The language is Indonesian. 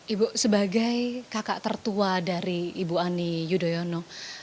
ibu sebagai kakak tertua dari ibu ani yudhoyono